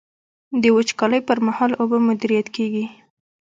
د وچکالۍ پر مهال اوبه مدیریت کیږي.